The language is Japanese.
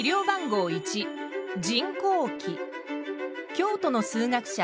京都の数学者